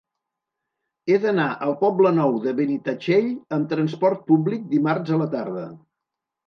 He d'anar al Poble Nou de Benitatxell amb transport públic dimarts a la tarda.